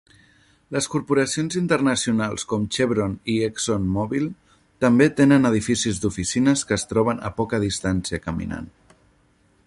Les corporacions internacionals, com Chevron i ExxonMobil, també tenen edificis d'oficines que es troben a poca distància caminant.